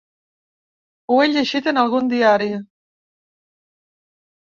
Ho he llegit en algun diari.